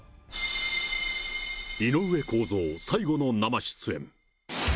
井上公造、最後の生出演。